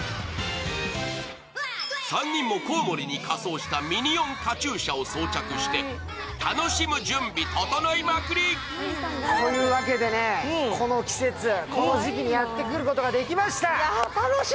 ３人もコウモリに仮装したミニオンカチューシャを装着して楽しむ準備、整いまくり！というわけで、この季節、この場所にやってくることができました。